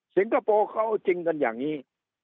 สิงคโปร์เขาจริงจนอย่างนี้